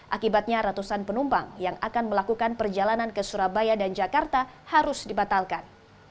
akibatnya ratusan penumpang yang akan melakukan perjalanan ke surabaya dan jakarta harus dibatalkan